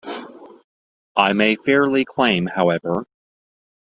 I may fairly claim, however